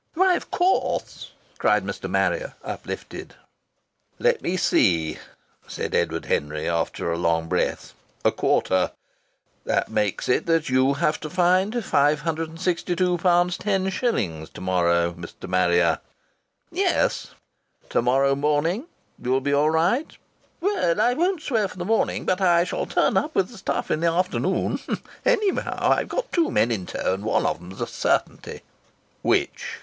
"Why of course!" cried Mr. Harrier, uplifted. "Let me see," said Edward Henry, after a long breath, "a quarter. That makes it that you have to find £562, 10s. to morrow, Mr. Marrier." "Yes." "To morrow morning you'll be all right?" "Well, I won't swear for the morning, but I shall turn up with the stuff in the afternoon, anyhow. I've two men in tow, and one of them's a certainty." "Which?"